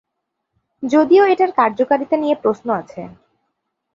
যদিও এটার কার্যকারিতা নিয়ে প্রশ্ন আছে।